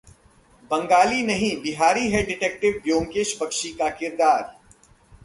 बंगाली नहीं, बिहारी है डिटेक्टिव ब्योमकेश बख्शी का किरदार